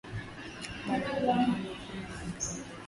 Bana mu ngola meno mbili